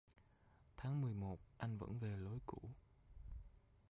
Tháng mười một anh vẫn về lối cũ